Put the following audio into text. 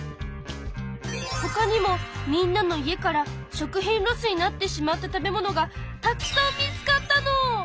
ほかにもみんなの家から食品ロスになってしまった食べ物がたくさん見つかったの！